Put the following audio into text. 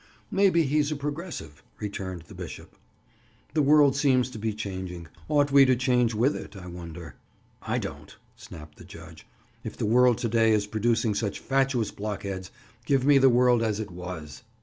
"Maybe he's a progressive," returned the bishop. "The world seems to be changing. Ought we to change with it, I wonder?" "I don't," snapped the judge. "If the world to day is producing such fatuous blockheads, give me the world as it was."